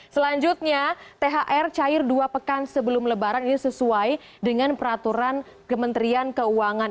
selanjutnya thr cair dua pekan sebelum lebaran ini sesuai dengan peraturan kementerian keuangan